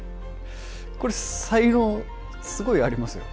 これ、才能、すごいありますよ。